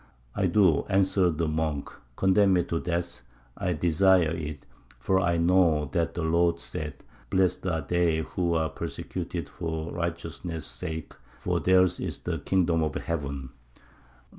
"I do," answered the monk; "condemn me to death; I desire it; for I know that the Lord said, 'Blessed are they who are persecuted for righteousness' sake, for theirs is the kingdom of heaven.'"